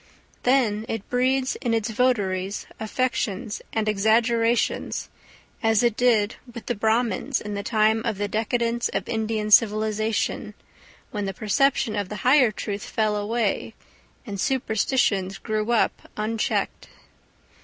Then it breeds in its votaries affections and exaggerations, as it did with the Brahmins in the time of the decadence of Indian civilisation, when the perception of the higher truth fell away and superstitions grew up unchecked.